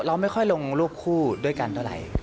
เราไม่ค่อยลงรูปคู่ด้วยกันเท่าไหร่